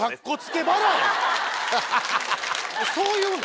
えっそう言うの？